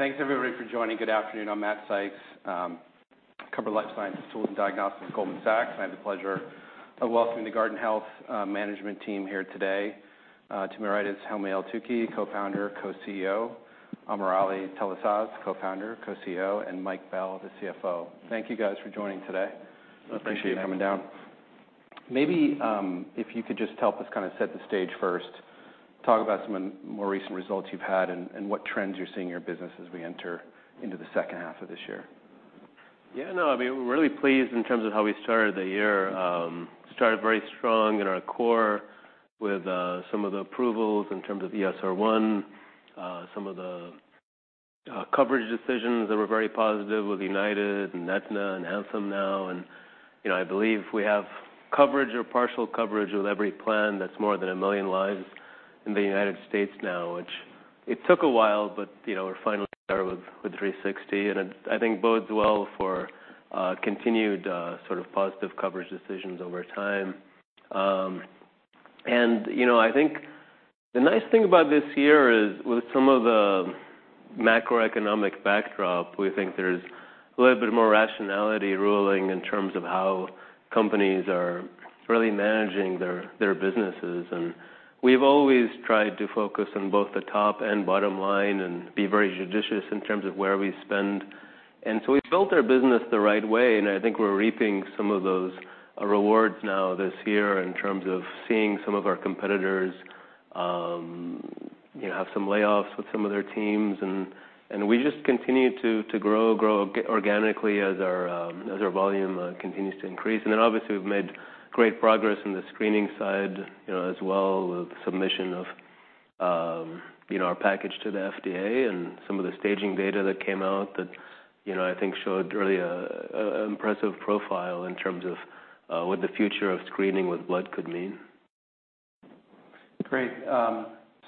Thanks everybody for joining. Good afternoon. I'm Matt Sykes, Cover Life Sciences Tools and Diagnostics at Goldman Sachs. I have the pleasure of welcoming the Guardant Health management team here today, to my right is Helmy Eltoukhy, Co-Founder, Co-CEO, AmirAli Talasaz, Co-Founder, Co-CEO, and Mike Bell, the CFO. Thank you guys for joining today. No, thank you. Appreciate you coming down. Maybe, if you could just help us kind of set the stage first, talk about some of the more recent results you've had and what trends you're seeing in your business as we enter into the second half of this year. Yeah, no, I mean, we're really pleased in terms of how we started the year. Started very strong in our core with, some of the approvals in terms of ESR1, some of the, coverage decisions that were very positive with United and Aetna and Anthem now. You know, I believe we have coverage or partial coverage with every plan that's more than 1 million lives in the United States now, which it took a while, but, you know, we're finally there with 360. It, I think, bodes well for, continued, sort of positive coverage decisions over time. You know, I think the nice thing about this year is, with some of the macroeconomic backdrop, we think there's a little bit more rationality ruling in terms of how companies are really managing their businesses. We've always tried to focus on both the top and bottom line and be very judicious in terms of where we spend. We've built our business the right way, and I think we're reaping some of those, rewards now this year in terms of seeing some of our competitors, you know, have some layoffs with some of their teams. We just continue to grow organically as our volume, continues to increase. Obviously, we've made great progress in the screening side, you know, as well with submission of, you know, our package to the FDA and some of the staging data that came out that, you know, I think showed really an impressive profile in terms of, what the future of screening with blood could mean. Great.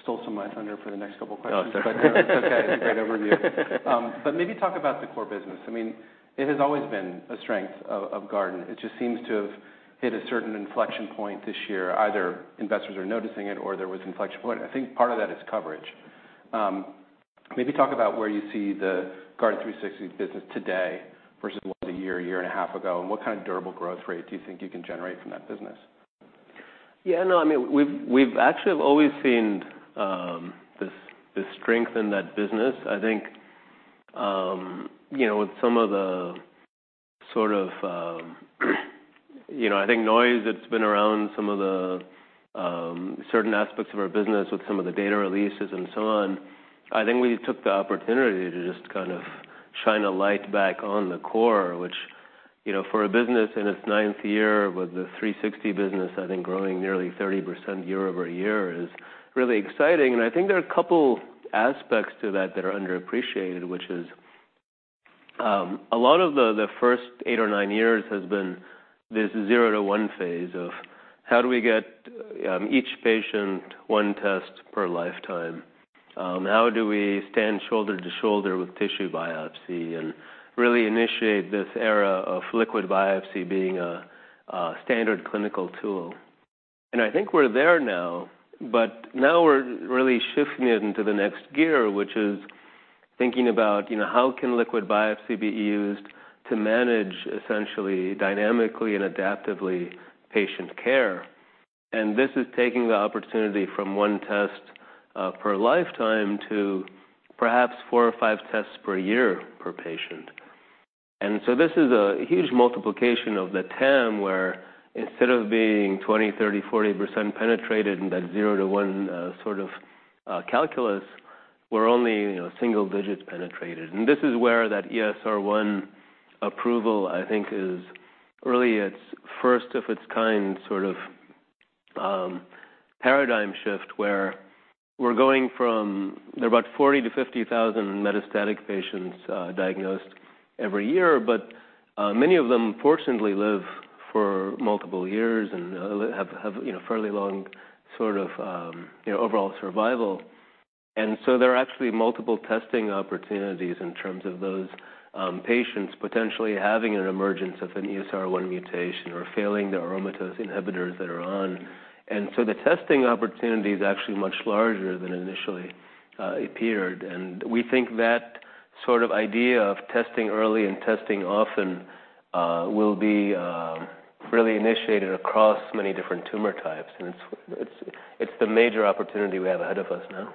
still some mice under for the next couple questions, it's okay. It's a great overview. Maybe talk about the core business. I mean, it has always been a strength of Guardant. It just seems to have hit a certain inflection point this year. Either investors are noticing it or there was an inflection point. I think part of that is coverage. Maybe talk about where you see the Guardant360 business today versus what was it a year, a year and a half ago, and what kind of durable growth rate do you think you can generate from that business? Yeah, no, I mean, we've actually always seen this strength in that business. I think, you know, with some of the sort of, you know, I think noise that's been around some of the, certain aspects of our business with some of the data releases and so on, I think we took the opportunity to just kind of shine a light back on the core, which, you know, for a business in its ninth year with the 360 business, I think growing nearly 30% year-over-year is really exciting. I think there are a couple aspects to that that are underappreciated, which is, a lot of the first eight or nine years has been this zero to one phase of how do we get each patient one test per lifetime? how do we stand shoulder to shoulder with tissue biopsy and really initiate this era of liquid biopsy being a standard clinical tool? I think we're there now, but now we're really shifting into the next gear, which is thinking about, you know, how can liquid biopsy be used to manage, essentially, dynamically and adaptively patient care? This is taking the opportunity from 1 test per lifetime to perhaps 4 or 5 tests per year per patient. This is a huge multiplication of the TAM where instead of being 20%, 30%, 40% penetrated in that 0 to 1, sort of, calculus, we're only, you know, single digits penetrated. This is where that ESR1 approval, I think, is really its first of its kind sort of paradigm shift where we're going from there are about 40,000-50,000 metastatic patients diagnosed every year, but many of them, fortunately, live for multiple years and have, you know, fairly long sort of, you know, overall survival. There are actually multiple testing opportunities in terms of those patients potentially having an emergence of an ESR1 mutation or failing the aromatase inhibitors that are on. The testing opportunity is actually much larger than initially appeared. We think that sort of idea of testing early and testing often will be really initiated across many different tumor types. It's the major opportunity we have ahead of us now.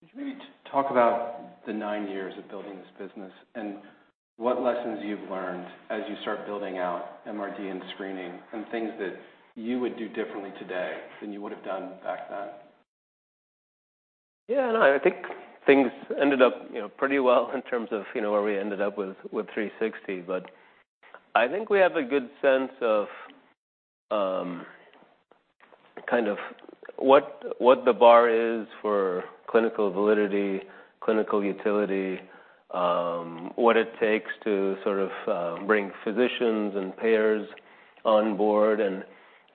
Could you maybe talk about the nine years of building this business and what lessons you've learned as you start building out MRD and screening and things that you would do differently today than you would have done back then? Yeah, no, I think things ended up, you know, pretty well in terms of, you know, where we ended up with 360. I think we have a good sense of, kind of what the bar is for clinical validity, clinical utility, what it takes to sort of, bring physicians and payers on board.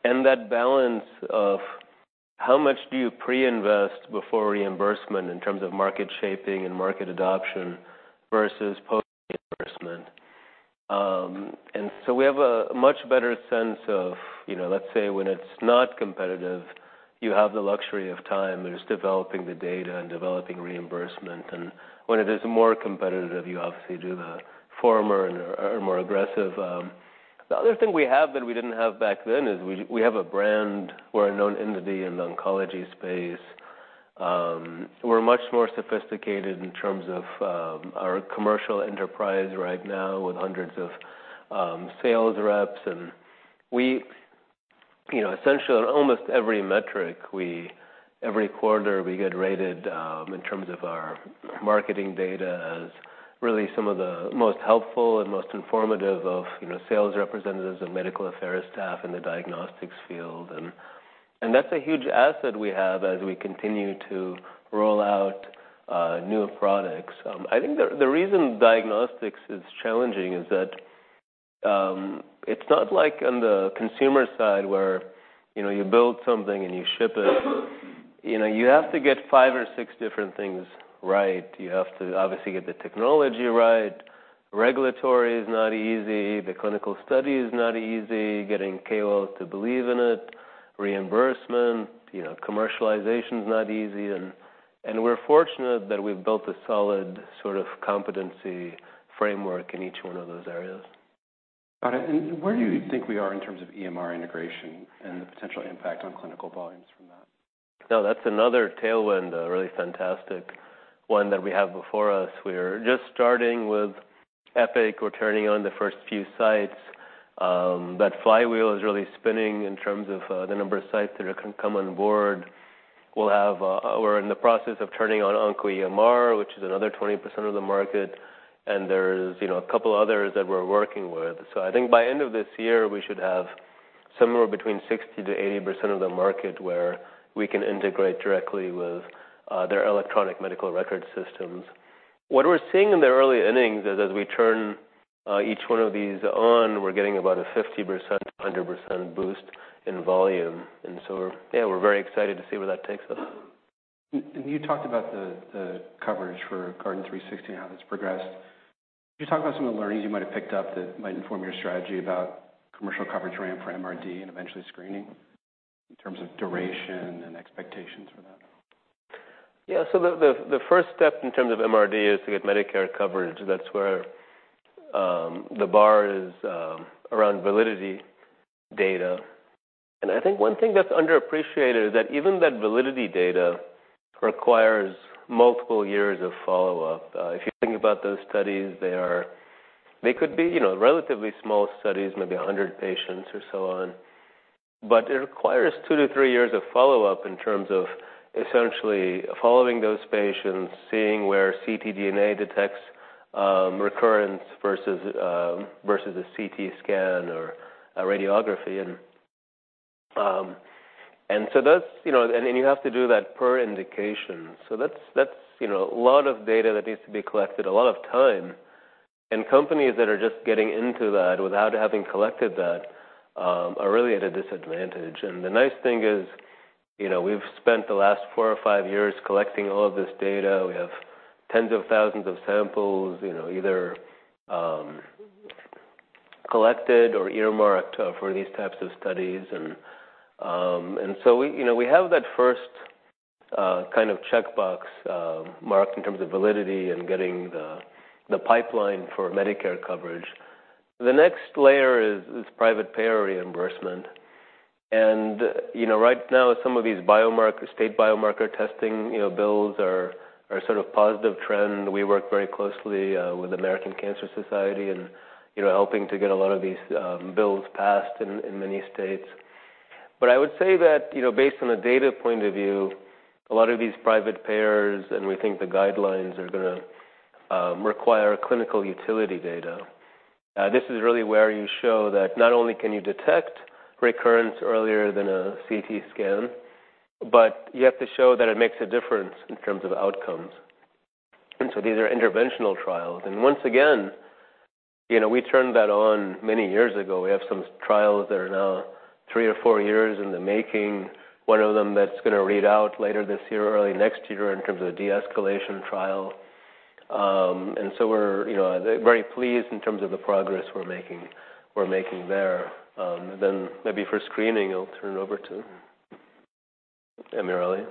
That balance of how much do you pre-invest before reimbursement in terms of market shaping and market adoption versus post-reimbursement? We have a much better sense of, you know, let's say when it's not competitive, you have the luxury of time just developing the data and developing reimbursement. When it is more competitive, you obviously do the former and are more aggressive. The other thing we have that we didn't have back then is we have a brand. We're a known entity in the oncology space. we're much more sophisticated in terms of our commercial enterprise right now with hundreds of sales reps. We, you know, essentially, on almost every metric, we every quarter, we get rated in terms of our marketing data as really some of the most helpful and most informative of, you know, sales representatives and medical affairs staff in the diagnostics field. That's a huge asset we have as we continue to roll out new products. I think the reason diagnostics is challenging is that it's not like on the consumer side where, you know, you build something and you ship it. You know, you have to get 5 or 6 different things right. You have to obviously get the technology right. Regulatory is not easy. The clinical study is not easy. Getting KOLs to believe in it. Reimbursement, you know, commercialization's not easy. We're fortunate that we've built a solid sort of competency framework in each one of those areas. Got it. Where do you think we are in terms of EMR integration and the potential impact on clinical volumes from that? No, that's another tailwind, a really fantastic one that we have before us. We are just starting with Epic. We're turning on the first few sites. That flywheel is really spinning in terms of the number of sites that are going to come on board. We'll have, we're in the process of turning on OncoEMR, which is another 20% of the market. There's, you know, a couple others that we're working with. I think by end of this year, we should have somewhere between 60%-80% of the market where we can integrate directly with their electronic medical record systems. What we're seeing in the early innings is as we turn each one of these on, we're getting about a 50%-100% boost in volume. We're, yeah, we're very excited to see where that takes us. You talked about the coverage for Guardant360 and how that's progressed. Could you talk about some of the learnings you might have picked up that might inform your strategy about commercial coverage ramp for MRD and eventually screening in terms of duration and expectations for that? Yeah, the first step in terms of MRD is to get Medicare coverage. That's where the bar is around validity data. I think one thing that's underappreciated is that even that validity data requires multiple years of follow-up. If you think about those studies, they could be, you know, relatively small studies, maybe 100 patients or so on. It requires two to three years of follow-up in terms of essentially following those patients, seeing where ctDNA detects recurrence versus a CT scan or a radiography. So that's, you know, and you have to do that per indication. So that's, you know, a lot of data that needs to be collected, a lot of time. Companies that are just getting into that without having collected that, are really at a disadvantage. The nice thing is, you know, we've spent the last 4 or 5 years collecting all of this data. We have tens of thousands of samples, you know, either collected or earmarked for these types of studies. We, you know, we have that first kind of checkbox marked in terms of validity and getting the pipeline for Medicare coverage. The next layer is private payer reimbursement. You know, right now, some of these State biomarker testing legislation, you know, bills are sort of positive trend. We work very closely with American Cancer Society and, you know, helping to get a lot of these bills passed in many states. I would say that, you know, based on a data point of view, a lot of these private payers, and we think the guidelines are gonna require clinical utility data. This is really where you show that not only can you detect recurrence earlier than a CT scan, but you have to show that it makes a difference in terms of outcomes. These are interventional trials. Once again, you know, we turned that on many years ago. We have some trials that are now three or four years in the making. One of them that's gonna read out later this year, early next year in terms of a de-escalation trial. So we're, you know, very pleased in terms of the progress we're making there. Maybe for screening, I'll turn it over to AmirAli. In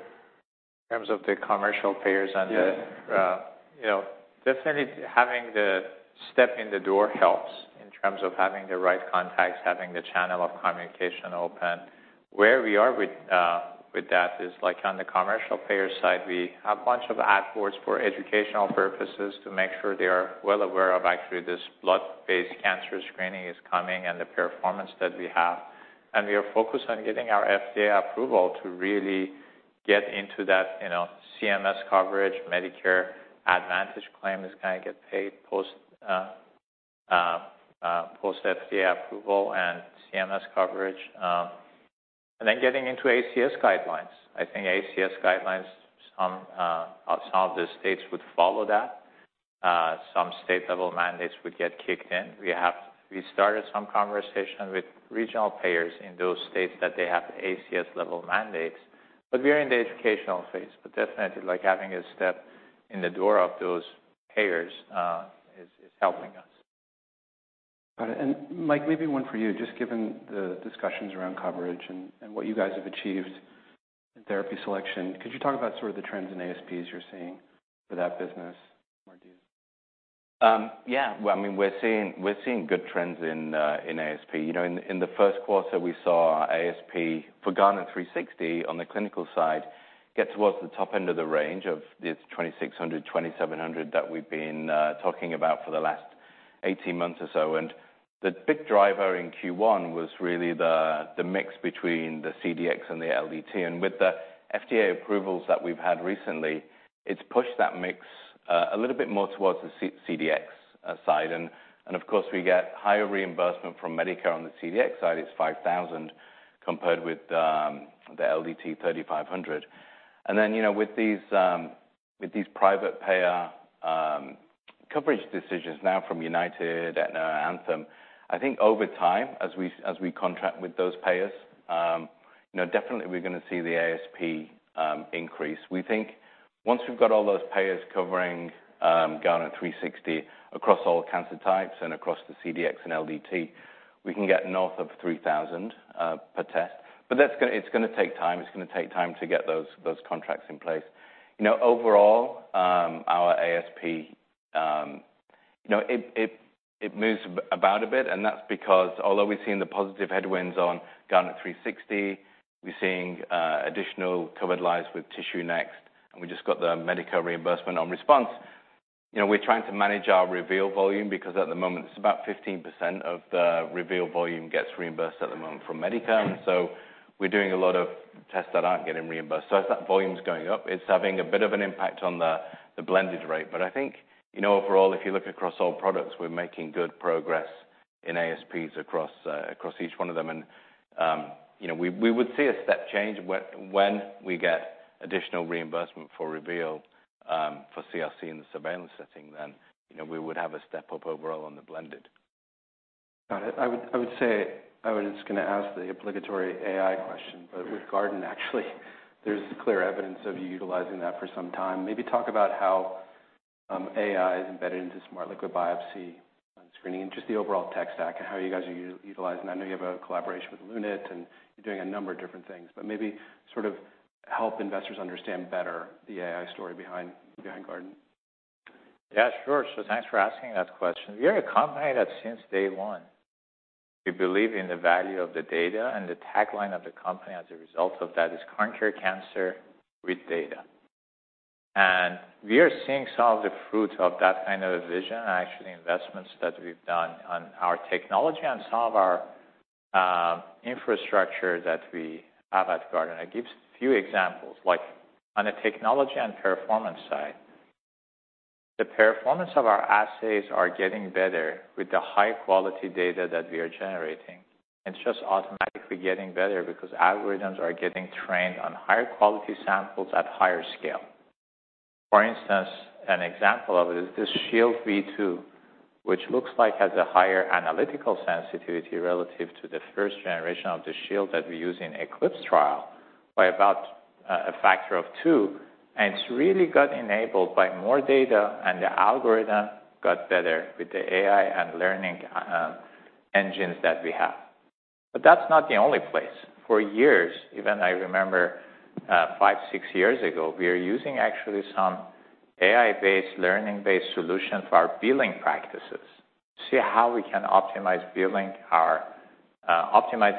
terms of the commercial payers and the. Yeah. you know, definitely having the step in the door helps in terms of having the right contacts, having the channel of communication open. Where we are with that is, like, on the commercial payer side, we have a bunch of ad boards for educational purposes to make sure they are well aware of actually this blood-based cancer screening is coming and the performance that we have. We are focused on getting our FDA approval to really get into that, you know, CMS coverage, Medicare Advantage claim is gonna get paid post-FDA approval and CMS coverage. Then getting into ACS guidelines. I think ACS guidelines, some of the states would follow that. Some state-level mandates would get kicked in. We started some conversation with regional payers in those states that they have ACS-level mandates. We are in the educational phase. definitely, like, having a step in the door of those payers, is helping us. Got it. Mike, maybe one for you. Just given the discussions around coverage and what you guys have achieved in therapy selection, could you talk about sort of the trends in ASPs you're seeing for that business, MRD? Yeah. Well, I mean, we're seeing good trends in ASP. You know, in the first quarter, we saw ASP for Guardant360 on the clinical side get towards the top end of the range of its $2,600-$2,700 that we've been talking about for the last 18 months or so. The big driver in Q1 was really the mix between the CDx and the LDT. With the FDA approvals that we've had recently, it's pushed that mix a little bit more towards the CDx side. Of course, we get higher reimbursement from Medicare on the CDx side. It's $5,000 compared with the LDT $3,500. you know, with these private payer coverage decisions now from United, Aetna, Anthem, I think over time, as we contract with those payers, you know, definitely we're gonna see the ASP increase. We think once we've got all those payers covering, Guardant360 across all cancer types and across the CDx and LDT, we can get north of $3,000 per test. That's gonna take time. It's gonna take time to get those contracts in place. You know, overall, our ASP, you know, it moves about a bit. That's because although we're seeing the positive headwinds on Guardant360, we're seeing, additional covered lives with TissueNext, and we just got the Medicare reimbursement on response, you know, we're trying to manage our reveal volume because at the moment, it's about 15% of the reveal volume gets reimbursed at the moment from Medicare. We're doing a lot of tests that aren't getting reimbursed. As that volume's going up, it's having a bit of an impact on the blended rate. I think, you know, overall, if you look across all products, we're making good progress in ASPs across each one of them. You know, we would see a step change when we get additional reimbursement for reveal, for CRC in the surveillance setting, then, you know, we would have a step up overall on the blended. Got it. I would say I would just gonna ask the obligatory AI question. With Guardant, actually, there's clear evidence of you utilizing that for some time. Maybe talk about how AI is embedded into smart liquid biopsy and screening and just the overall tech stack and how you guys are utilizing. I know you have a collaboration with Lunit, and you're doing a number of different things. Maybe sort of help investors understand better the AI story behind Guardant. Yeah, sure. Thanks for asking that question. We are a company that since day one, we believe in the value of the data. The tagline of the company as a result of that is, "Conquering Cancer with Data." We are seeing some of the fruits of that kind of a vision and actually investments that we've done on our technology and some of our, infrastructure that we have at Guardant. I'll give a few examples. Like, on the technology and performance side, the performance of our assays are getting better with the high-quality data that we are generating. It's just automatically getting better because algorithms are getting trained on higher-quality samples at higher scale. For instance, an example of it is this Shield V2, which looks like it has a higher analytical sensitivity relative to the first generation of the Shield that we use in ECLIPSE trial by about a factor of 2. It's really got enabled by more data, and the algorithm got better with the AI and learning engines that we have. That's not the only place. For years, even I remember, five, six years ago, we were using actually some AI-based, learning-based solution for our billing practices to see how we can optimizing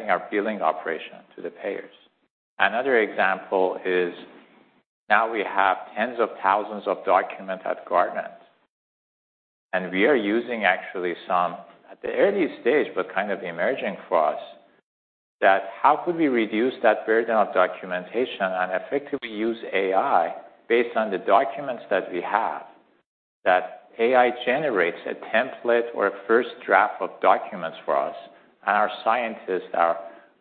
our billing operation to the payers. Another example is now we have tens of thousands of documents at Guardant. We are using actually some at the early stage, but kind of emerging for us, that how could we reduce that burden of documentation and effectively use AI based on the documents that we have? That AI generates a template or a first draft of documents for us, and our scientists, our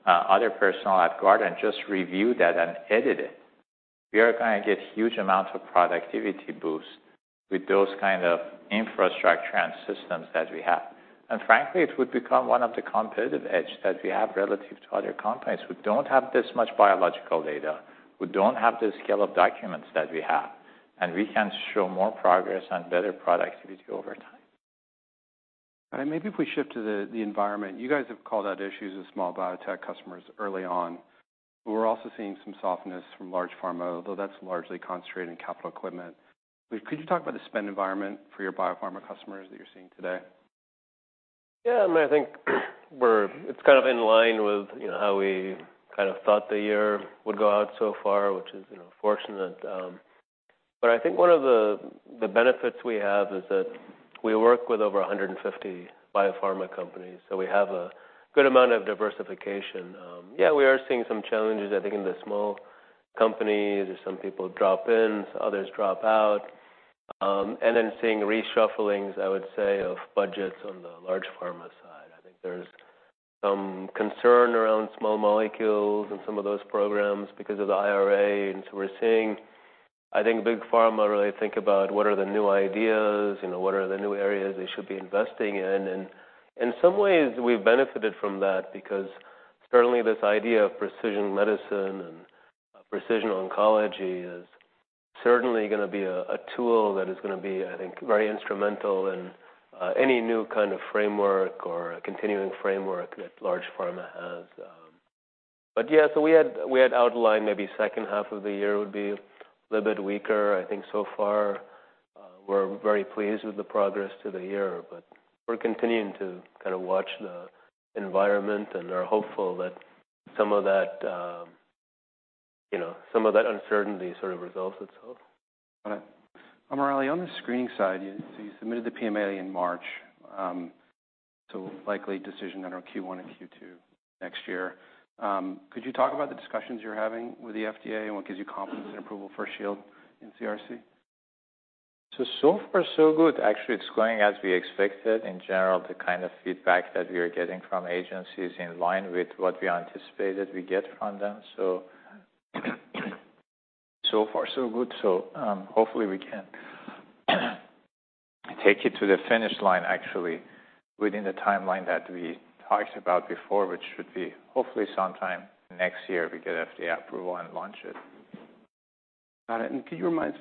other personnel at Guardant just review that and edit it. We are gonna get huge amounts of productivity boost with those kind of infrastructure and systems that we have. Frankly, it would become one of the competitive edges that we have relative to other companies who don't have this much biological data, who don't have the scale of documents that we have. We can show more progress and better productivity over time. Got it. Maybe if we shift to the environment. You guys have called out issues with small biotech customers early on. We're also seeing some softness from large pharma, although that's largely concentrated in capital equipment. Could you talk about the spend environment for your biopharma customers that you're seeing today? Yeah. I mean, I think we're it's kind of in line with, you know, how we kind of thought the year would go out so far, which is, you know, fortunate. I think one of the benefits we have is that we work with over 150 biopharma companies. We have a good amount of diversification. We are seeing some challenges, I think, in the small companies. Some people drop in. Others drop out. Seeing reshufflings, I would say, of budgets on the large pharma side. I think there's some concern around small molecules and some of those programs because of the IRA. We're seeing, I think, big pharma really think about what are the new ideas, you know, what are the new areas they should be investing in. In some ways, we've benefited from that because certainly, this idea of precision medicine and, precision oncology is certainly gonna be a tool that is gonna be, I think, very instrumental in, any new kind of framework or a continuing framework that large pharma has. Yeah. We had outlined maybe second half of the year would be a little bit weaker, I think, so far. We're very pleased with the progress to the year. We're continuing to kind of watch the environment and are hopeful that some of that, you know, some of that uncertainty sort of resolves itself. Got it. AmirAli, on the screening side, you submitted the PMA in March, so likely decision under Q1 and Q2 next year. Could you talk about the discussions you're having with the FDA and what gives you confidence in approval for Shield and CRC? So far, so good. Actually, it's going as we expected in general the kind of feedback that we are getting from agencies in line with what we anticipated we get from them. So far, so good. Hopefully, we can take it to the finish line, actually, within the timeline that we talked about before, which should be hopefully sometime next year we get FDA approval and launch it. Got it. Could you remind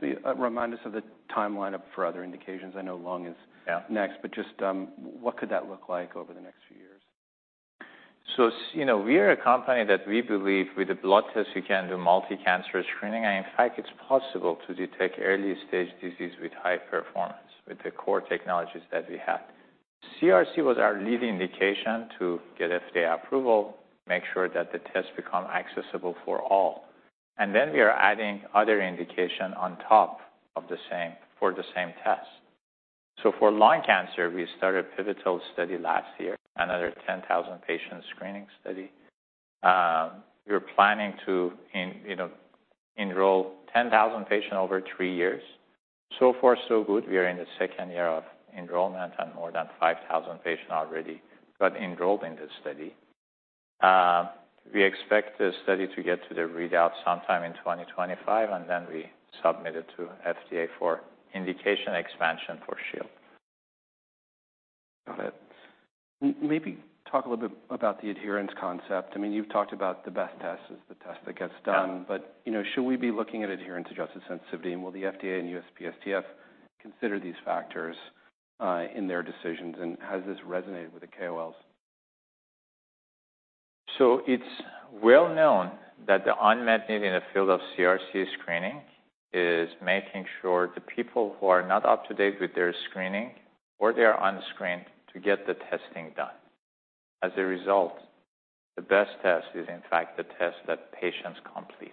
us of the timeline for other indications? I know long is. Yeah. Next. Just, what could that look like over the next few years? You know, we are a company that we believe with the blood tests, you can do multi-cancer screening. In fact, it's possible to detect early-stage disease with high performance with the core technologies that we have. CRC was our leading indication to get FDA approval, make sure that the tests become accessible for all. We are adding other indication on top of the same for the same tests. For lung cancer, we started a pivotal study last year, another 10,000-patient screening study. We were planning to enroll 10,000 patients over three years. Far, so good. We are in the second year of enrollment, and more than 5,000 patients already got enrolled in this study. We expect the study to get to the readout sometime in 2025. We submit it to FDA for indication expansion for Shield. Got it. Maybe talk a little bit about the adherence concept. I mean, you've talked about the best test is the test that gets done. You know, should we be looking at adherence-adjusted sensitivity? Will the FDA and USPSTF consider these factors in their decisions? Has this resonated with the KOLs? It's well known that the unmet need in the field of CRC screening is making sure the people who are not up to date with their screening or they are unscreened to get the testing done. As a result, the best test is, in fact, the test that patients complete.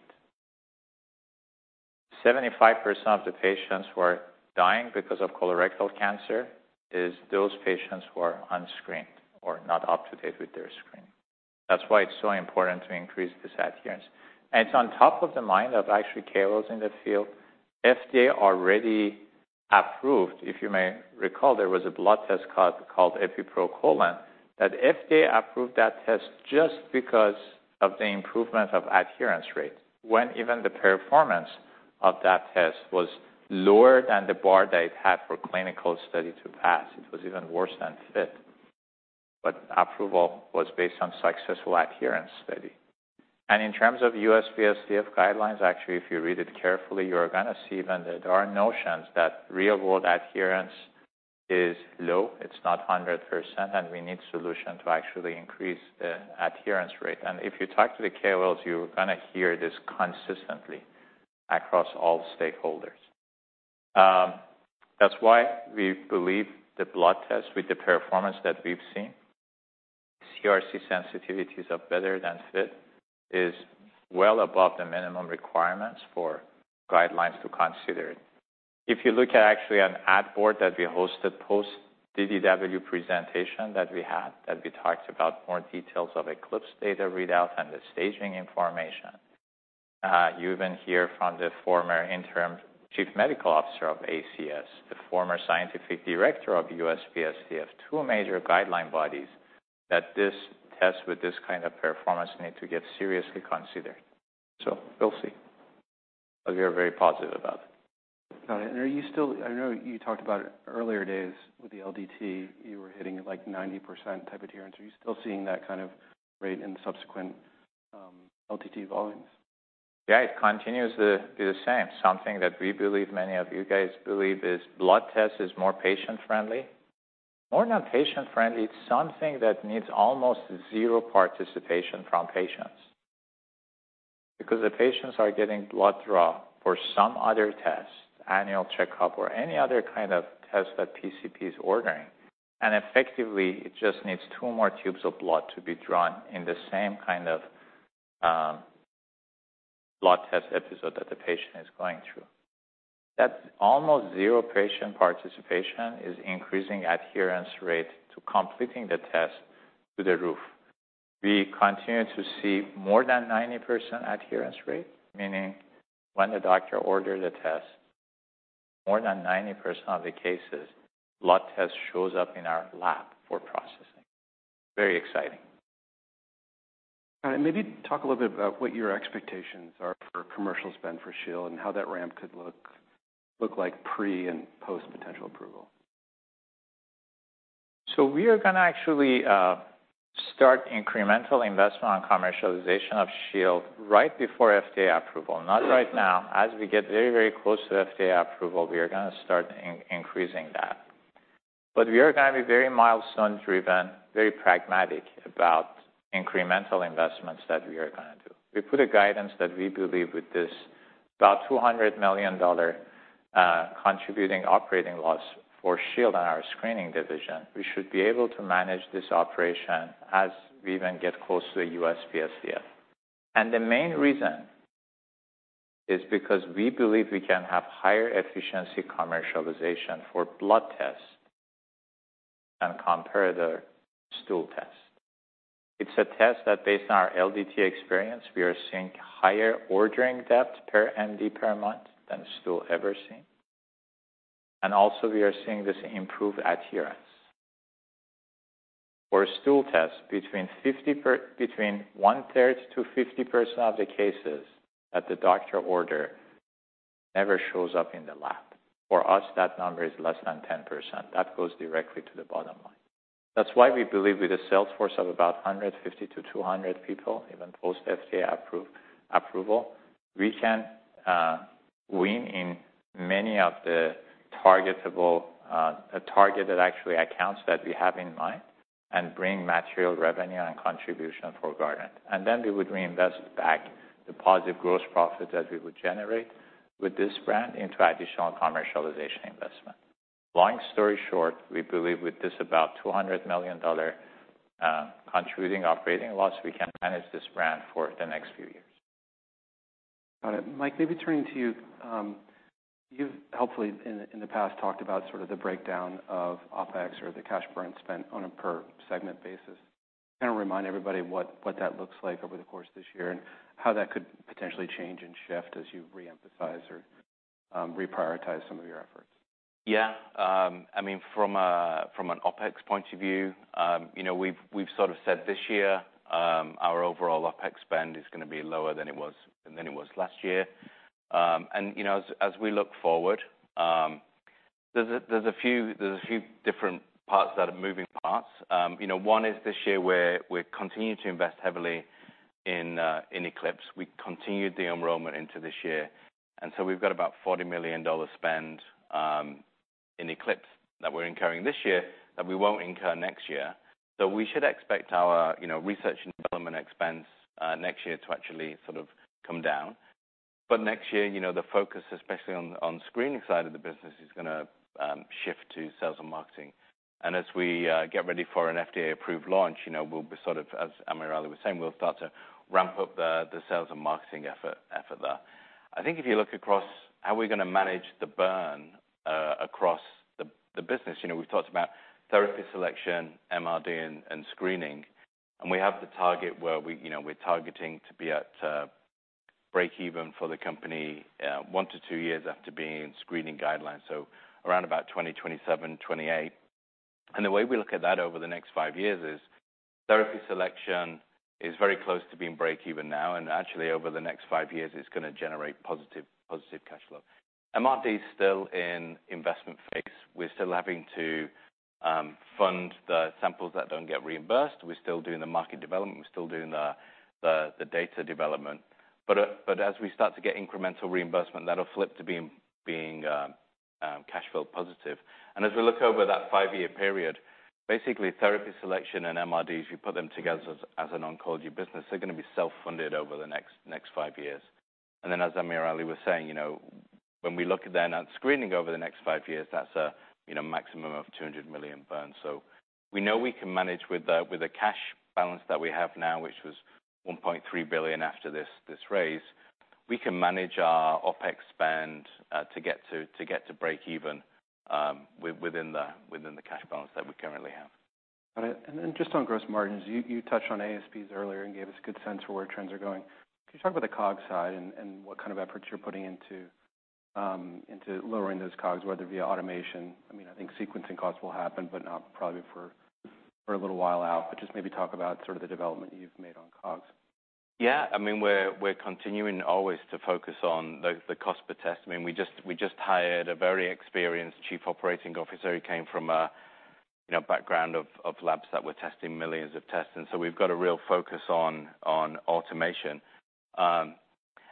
75% of the patients who are dying because of colorectal cancer is those patients who are unscreened or not up to date with their screening. That's why it's so important to increase this adherence. It's on top of the mind of actually KOLs in the field. FDA already approved, if you may recall, there was a blood test called Epi proColon that FDA approved that test just because of the improvement of adherence rate when even the performance of that test was lower than the bar that it had for clinical study to pass. It was even worse than FIT. Approval was based on successful adherence study. In terms of USPSTF guidelines, actually, if you read it carefully, you are going to see even that there are notions that real-world adherence is low. It's not 100%. We need solutions to actually increase the adherence rate. If you talk to the KOLs, you're going to hear this consistently across all stakeholders. That's why we believe the blood test with the performance that we've seen, CRC sensitivities of better than FIT, is well above the minimum requirements for guidelines to consider it. If you look at actually an ad board that we hosted post-DDW presentation that we had that we talked about more details of ECLIPSE data readout and the staging information, you even hear from the former interim chief medical officer of ACS, the former scientific director of USPSTF, two major guideline bodies that this test with this kind of performance need to get seriously considered. We'll see. We are very positive about it. Got it. Are you still I know you talked about earlier days with the LDT, you were hitting like 90% type adherence? Are you still seeing that kind of rate in subsequent LDT volumes? Yeah. It continues to be the same. Something that we believe many of you guys believe is blood test is more patient-friendly. More than patient-friendly, it's something that needs almost zero participation from patients because the patients are getting blood drawn for some other test, annual checkup, or any other kind of test that PCP is ordering. Effectively, it just needs two more tubes of blood to be drawn in the same kind of blood test episode that the patient is going through. That almost zero patient participation is increasing adherence rate to completing the test to the roof. We continue to see more than 90% adherence rate, meaning when the doctor ordered the test, more than 90% of the cases, blood test shows up in our lab for processing. Very exciting. Got it. Maybe talk a little bit about what your expectations are for commercial spend for Shield and how that ramp could look like pre and post-potential approval. We are gonna actually, start incremental investment on commercialization of Shield right before FDA approval, not right now. As we get very, very close to FDA approval, we are gonna start increasing that. We are gonna be very milestone-driven, very pragmatic about incremental investments that we are gonna do. We put a guidance that we believe with this about $200 million, contributing operating loss for Shield and our screening division, we should be able to manage this operation as we even get close to a USPSTF. The main reason is because we believe we can have higher efficiency commercialization for blood tests and compared to stool tests. It's a test that based on our LDT experience, we are seeing higher ordering depth per MD per month than stool ever seen. Also, we are seeing this improved adherence. For stool tests, between one-third to 50% of the cases that the doctor order never shows up in the lab. For us, that number is less than 10%. That goes directly to the bottom line. That's why we believe with a sales force of about 150 to 200 people, even post-FDA approval, we can win in many of the targetable, the target that actually accounts that we have in mind and bring material revenue and contribution for Guardant. We would reinvest back the positive gross profit that we would generate with this brand into additional commercialization investment. Long story short, we believe with this about $200 million, contributing operating loss, we can manage this brand for the next few years. Got it. Mike, maybe turning to you. You've hopefully in the past talked about sort of the breakdown of OPEX or the cash burn spent on a per-segment basis. Kinda remind everybody what that looks like over the course of this year and how that could potentially change and shift as you reemphasize or reprioritize some of your efforts? Yeah. I mean, from an OPEX point of view, you know, we've sort of said this year, our overall OPEX spend is gonna be lower than it was last year. you know, as we look forward, there's a few different parts that are moving parts. you know, one is this year where we continue to invest heavily in ECLIPSE. We continued the enrollment into this year. We've got about $40 million spend, in ECLIPSE that we're incurring this year that we won't incur next year. We should expect our, you know, research and development expense, next year to actually sort of come down. Next year, you know, the focus, especially on screening side of the business, is gonna, shift to sales and marketing. As we, get ready for an FDA-approved launch, you know, we'll be sort of as AmirAli was saying, we'll start to ramp up the sales and marketing effort there. I think if you look across how we're gonna manage the burn, across the business, you know, we've talked about therapy selection, MRD, and screening. We have the target where you know, we're targeting to be at break-even for the company, 1-2 years after being in screening guidelines, so around about 2027, 2028. The way we look at that over the next 5 years is therapy selection is very close to being break-even now. Actually, over the next 5 years, it's gonna generate positive cash flow. MRD is still in investment phase. We're still having to fund the samples that don't get reimbursed. We're still doing the market development. We're still doing the data development. As we start to get incremental reimbursement, that'll flip to being cash flow positive. As we look over that 5-year period, basically, therapy selection and MRD, if you put them together as an oncology business, they're gonna be self-funded over the next 5 years. As AmirAli was saying, you know, when we look at then at screening over the next 5 years, that's a, you know, maximum of $200 million burns. We know we can manage with the cash balance that we have now, which was $1.3 billion after this raise, we can manage our OPEX spend, to get to break-even, within the cash balance that we currently have. Got it. Just on gross margins, you touched on ASPs earlier and gave us a good sense for where trends are going. Could you talk about the COGS side and what kind of efforts you're putting into lowering those COGS, whether via automation? I mean, I think sequencing costs will happen but not probably for a little while out. Just maybe talk about sort of the development you've made on COGS. Yeah. I mean, we're continuing always to focus on the cost per test. I mean, we just hired a very experienced chief operating officer. He came from a, you know, background of labs that were testing millions of tests. So we've got a real focus on automation,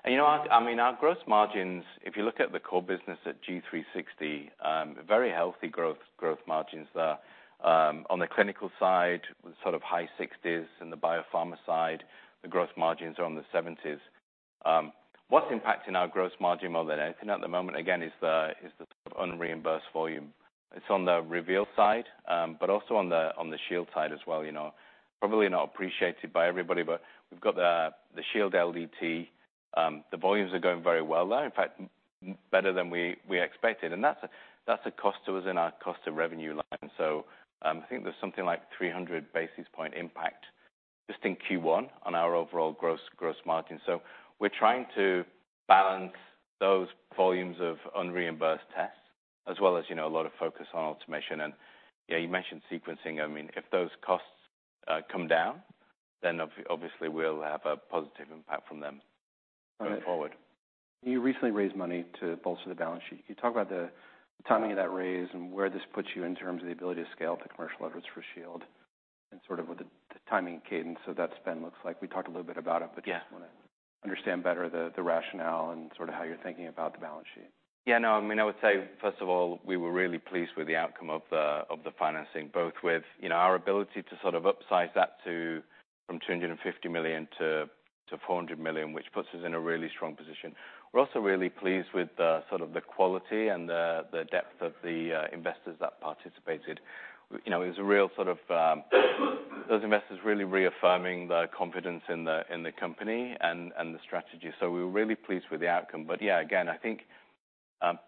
and, you know, our I mean, our gross margins, if you look at the core business at G360, very healthy growth margins there. On the clinical side, sort of high 60s. In the biopharma side, the gross margins are on the 70s. What's impacting our gross margin more than anything at the moment, again, is the sort of unreimbursed volume. It's on the Reveal side, but also on the Shield side as well, you know, probably not appreciated by everybody. We've got the Shield LDT. the volumes are going very well there. In fact, better than we expected. That's a cost to us in our cost to revenue line. I think there's something like 300 basis point impact just in Q1 on our overall gross margin. We're trying to balance those volumes of unreimbursed tests as well as, you know, a lot of focus on automation. Yeah, you mentioned sequencing. I mean, if those costs come down, then obviously, we'll have a positive impact from them going forward. Got it. You recently raised money to bolster the balance sheet. Could you talk about the timing of that raise and where this puts you in terms of the ability to scale up the commercial efforts for Shield and sort of what the timing cadence of that spend looks like? We talked a little bit about it. Just wanna understand better the rationale and sort of how you're thinking about the balance sheet. Yeah. No. I mean, I would say, first of all, we were really pleased with the outcome of the financing, both with, you know, our ability to sort of upsize that to from $250 million to $400 million, which puts us in a really strong position. We're also really pleased with the sort of the quality and the depth of the investors that participated. You know, it was a real sort of, those investors really reaffirming the confidence in the company and the strategy. We were really pleased with the outcome. Yeah, again, I think,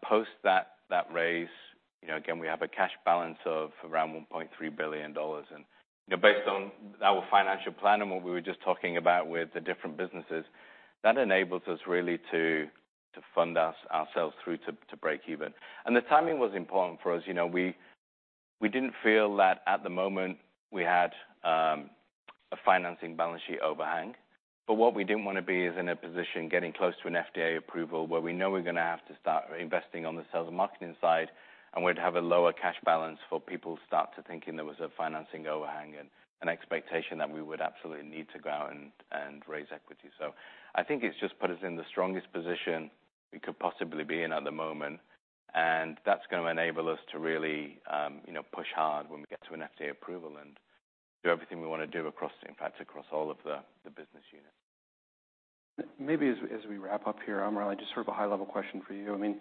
post that raise, you know, again, we have a cash balance of around $1.3 billion. You know, based on our financial plan and what we were just talking about with the different businesses, that enables us really to fund us ourselves through to break-even. The timing was important for us. You know, we didn't feel that at the moment, we had, a financing balance sheet overhang. What we didn't wanna be is in a position getting close to an FDA approval where we know we're gonna have to start investing on the sales and marketing side, and we'd have a lower cash balance for people to start thinking there was a financing overhang and an expectation that we would absolutely need to go out and raise equity. I think it's just put us in the strongest position we could possibly be in at the moment. That's gonna enable us to really, you know, push hard when we get to an FDA approval and do everything we wanna do across all of the business units. Maybe as we wrap up here, AmirAli, just sort of a high-level question for you. I mean,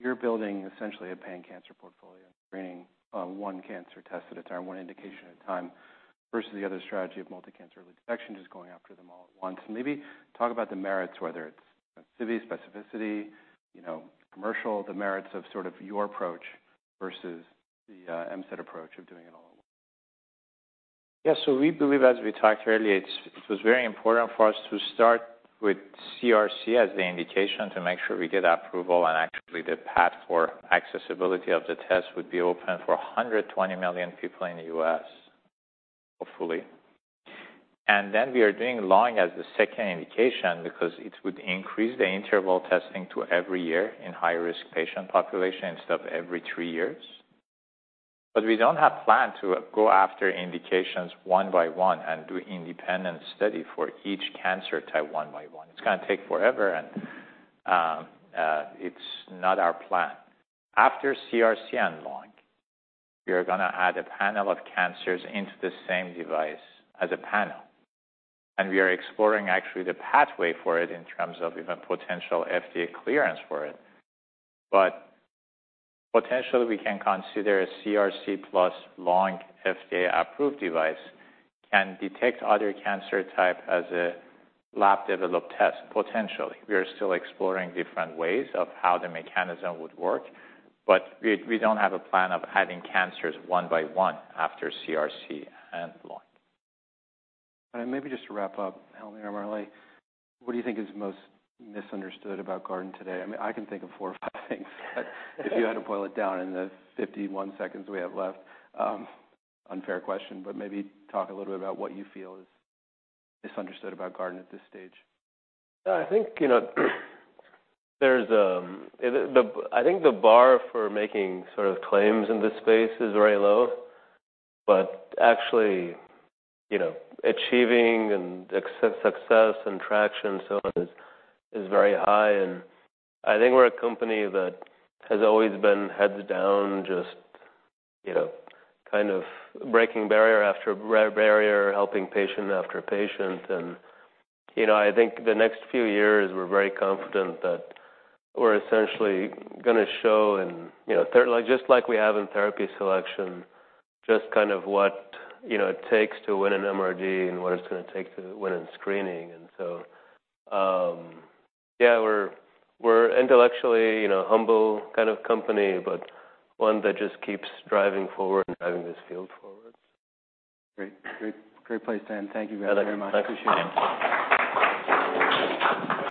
you're building essentially a pan-cancer portfolio screening, one cancer test at a time, one indication at a time versus the other strategy of multi-cancer early detection just going after them all at once. Maybe talk about the merits, whether it's sensitivity, specificity, you know, commercial, the merits of sort of your approach versus the MSI approach of doing it all at once. We believe, as we talked earlier, it was very important for us to start with CRC as the indication to make sure we get approval. Actually, the path for accessibility of the test would be open for 120 million people in the U.S., hopefully. Then we are doing lung as the second indication because it would increase the interval testing to every year in high-risk patient population instead of every three years. We don't have planned to go after indications one by one and do independent study for each cancer type one by one. It's gonna take forever. It's not our plan. After CRC and lung, we are gonna add a panel of cancers into the same device as a panel. We are exploring actually the pathway for it in terms of even potential FDA clearance for it. Potentially, we can consider a CRC-plus lung FDA-approved device can detect other cancer type as a lab-developed test, potentially. We are still exploring different ways of how the mechanism would work. We don't have a plan of adding cancers one by one after CRC and lung. All right. Maybe just to wrap up, Helmy or AmirAli, what do you think is most misunderstood about Guardant today? I mean, I can think of four or five things. If you had to boil it down in the 51 seconds we have left. Unfair question. Maybe talk a little bit about what you feel is misunderstood about Guardant at this stage. Yeah. I think, you know, there's, I think the bar for making sort of claims in this space is very low. Actually, you know, achieving success and traction and so on is very high. I think we're a company that has always been heads down, just, you know, kind of breaking barrier after barrier, helping patient after patient. You know, I think the next few years, we're very confident that we're essentially gonna show in, you know, like, just like we have in therapy selection, just kind of what, you know, it takes to win an MRD and what it's gonna take to win in screening. Yeah, we're intellectually, you know, humble kind of company but one that just keeps driving forward and driving this field forward. Great. Great, great place, Dan. Thank you, guys, very much. Appreciate it. Thanks.